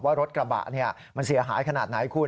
ว่ารถกระบะมันเสียหายขนาดไหนคุณ